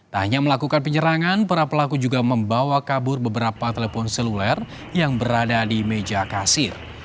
tak hanya melakukan penyerangan para pelaku juga membawa kabur beberapa telepon seluler yang berada di meja kasir